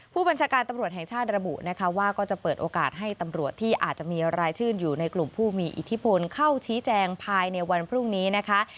ผู้บัญชาการตำรวจแห่งชาติระบุนะคะว่าก็จะเปิดโอกาสให้ตำรวจที่อาจจะมีรายชื่นอยู่ในกลุ่มผู้มีอิทธิพลเข้าชี้แจงภายในวันพรุ่งนี้นะคะ